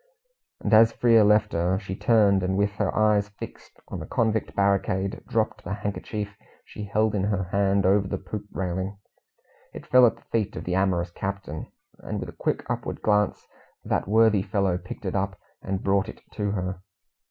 And as Frere left her, she turned, and with her eyes fixed on the convict barricade, dropped the handkerchief she held in her hand over the poop railing. It fell at the feet of the amorous captain, and with a quick upward glance, that worthy fellow picked it up, and brought it to her.